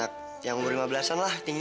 ini yang cocok buat candy